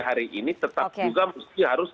hari ini tetap juga mesti harus